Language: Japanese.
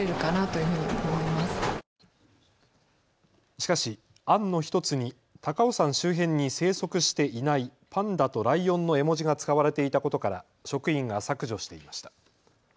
しかし、案の１つに高尾山周辺に生息していないパンダとライオンの絵文字が使われていたことから職員が削除していました。